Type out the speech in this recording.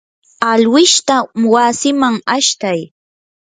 alwishta wasiman ashtay.